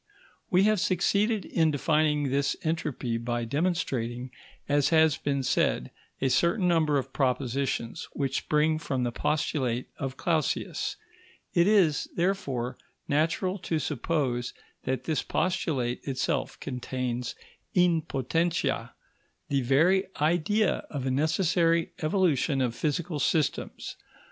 We have succeeded in defining this entropy by demonstrating, as has been said, a certain number of propositions which spring from the postulate of Clausius; it is, therefore, natural to suppose that this postulate itself contains in potentia the very idea of a necessary evolution of physical systems.